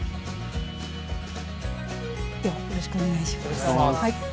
よろしくお願いします。